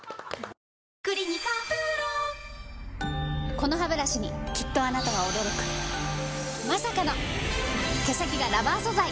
このハブラシにきっとあなたは驚くまさかの毛先がラバー素材！